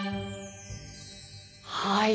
はい。